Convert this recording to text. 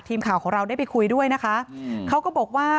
ทีมข่าวของเราได้ไปคุยด้วยนะคะเขาก็บอกว่า